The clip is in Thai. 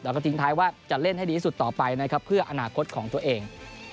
แล้วก็ทิ้งท้ายว่าจะเล่นให้ดีที่สุดต่อไปนะครับเพื่ออนาคตของตัวเอง